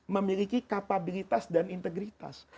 memiliki kapabilitas dan integritas